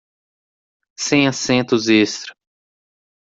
Sem assentos extra